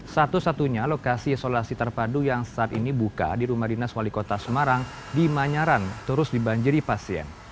satu satunya lokasi isolasi terpadu yang saat ini buka di rumah dinas wali kota semarang di manyaran terus dibanjiri pasien